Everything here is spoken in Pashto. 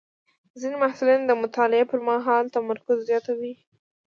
ځینې محصلین د مطالعې پر مهال تمرکز زیاتوي.